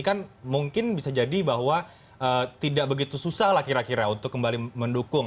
kan mungkin bisa jadi bahwa tidak begitu susah lah kira kira untuk kembali mendukung